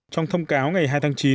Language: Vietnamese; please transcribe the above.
trong thông cáo ngày hai tháng chín